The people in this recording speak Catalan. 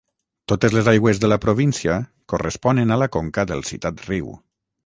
Totes les aigües de la província corresponen a la conca del citat riu.